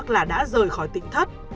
là đã rời khỏi tỉnh thất